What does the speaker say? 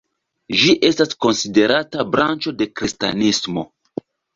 Ĝi estas konsiderata branĉo de kristanismo.